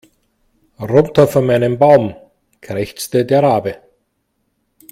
Runter von meinem Baum, krächzte der Rabe.